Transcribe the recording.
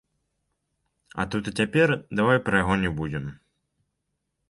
А тут і цяпер давай пра яго не будзем.